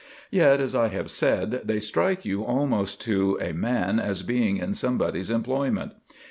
Yet, as I have said, they strike you almost to a man as being in somebody's employment.